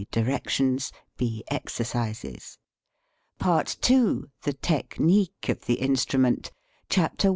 DIRECTIONS 6. EXERCISES PART II THE TECHNIQUE OF THE INSTRUMENT CHAPTER I.